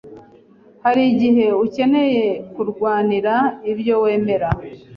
Hari igihe ukeneye kurwanira ibyo wemera.